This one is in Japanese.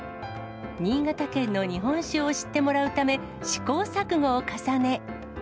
新潟県の日本酒を知ってもらうため、試行錯誤を重ね。